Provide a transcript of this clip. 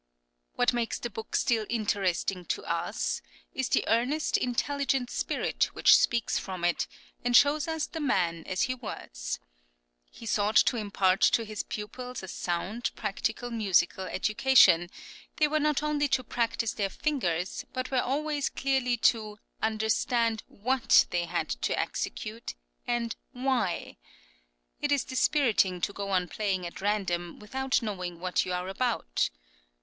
What makes the book still interesting to us is the earnest, intelligent spirit which speaks from it, and shows us the man as he was. He sought to impart to his pupils a sound, practical musical education; they were not only to practise their fingers, but were always clearly to, understand what they had to execute and why: "It is dispiriting to go on playing at random, without knowing what you are about" (p.